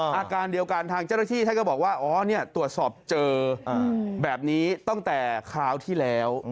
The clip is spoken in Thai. อาการเดียวกันทางเจ้าหน้าที่ท่านก็บอกว่าอ๋อตรวจสอบเจอแบบนี้ตั้งแต่คราวที่แล้ว